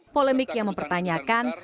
polemik yang mempertanyakan